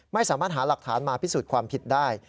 ไม่สามารถหาหลักฐานมาพิสูจน์ความผิดได้